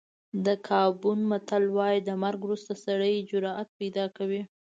د ګابون متل وایي د مرګ وروسته سړی جرأت پیدا کوي.